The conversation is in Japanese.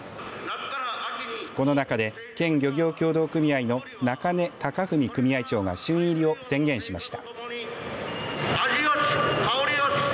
この中で県漁業協同組合の中根隆文組合長が旬入りを宣言しました。